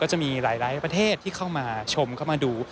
จะมีหลายประเทศที่เข้ามาชมเข้ามาดู